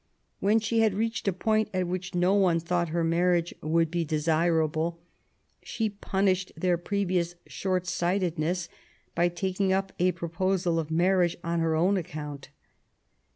When she had reached a point at which no one thought her marriage would be desirable, she i82 QUEEN ELIZABETH, punished their previous short sightedness by taking up a proposal of marriage on her own account.